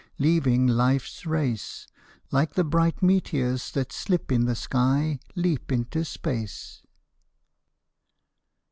Leaving life's race, Like the bright meteors that slip in the sky, Leap into space.